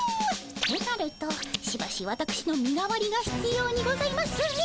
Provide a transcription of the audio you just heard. となるとしばしわたくしの身代わりがひつようにございますね。